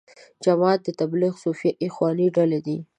جماعت تبلیغ، صوفیه، اخواني ډلې دي.